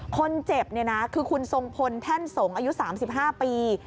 คนเจ็บคือคุณทรงพลแท่นสงฆ์อายุ๓๕ปี